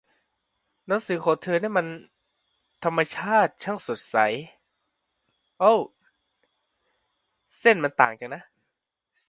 Her book "Natural Goodness" attempts a different line.